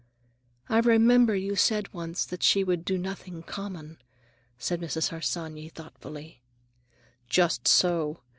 "I remember you said once that she would do nothing common," said Mrs. Harsanyi thoughtfully. "Just so.